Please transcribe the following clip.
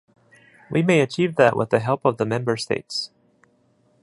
We may achieve that with the help of the member states.